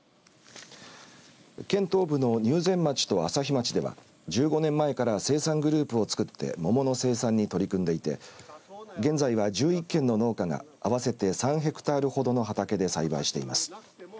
県東部の入善町と朝日町では１５年前から生産グループを作って桃の生産に取り組んでいて現在は１１軒の農家が合わせて３ヘクタールほどの畑で栽培しています。